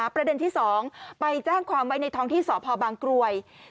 ประเด็นที่๒ไปแจ้งความไว้ในท้องที่สพบางกรวย